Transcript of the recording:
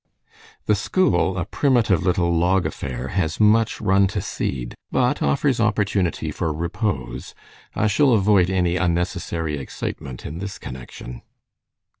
"The school, a primitive little log affair, has much run to seed, but offers opportunity for repose. I shall avoid any unnecessary excitement in this connection.